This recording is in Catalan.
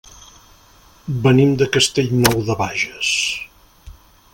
Venim de Castellnou de Bages.